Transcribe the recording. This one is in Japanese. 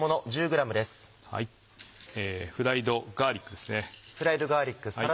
フライドガーリックですね。